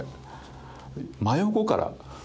真横から。